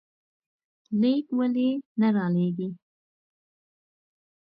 ليک ولې نه رالېږې؟